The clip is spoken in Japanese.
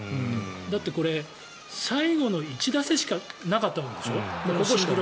だってこれ、最後の１打席しかなかったわけでしょ。